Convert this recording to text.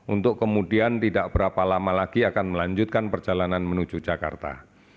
untuk kemudian tidak berapa lama lagi akan melanjutkan perjalanan menuju jakarta